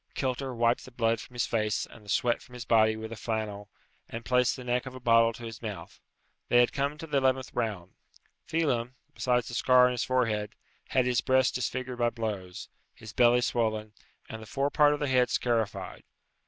Kilter wiped the blood from his face and the sweat from his body with a flannel, and placed the neck of a bottle to his mouth. They had come to the eleventh round. Phelem, besides the scar on his forehead, had his breast disfigured by blows, his belly swollen, and the fore part of the head scarified.